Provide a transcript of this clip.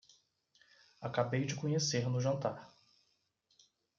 Acabei de conhecer no jantar